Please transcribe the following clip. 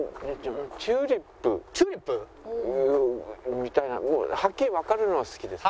チューリップ？みたいなはっきりわかるのが好きです。